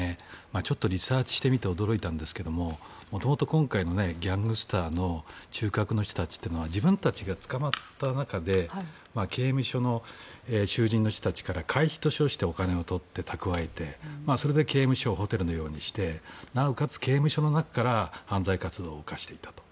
ちょっとリサーチしてみて驚いたんですが元々、今回のギャングスターの中核の人たちというのは自分たちが捕まった中で刑務所の囚人の人たちから会費と称してお金を取って蓄えてそれで刑務所をホテルのようにしてなおかつ刑務所の中から犯罪活動を犯していたと。